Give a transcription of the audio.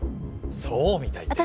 「そうみたい」って。